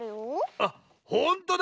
あっほんとだ！